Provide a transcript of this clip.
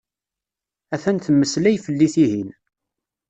Atan temmeslay fell-i tihin.